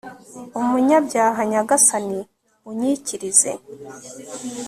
umunyabyaha nyagasani unyikirize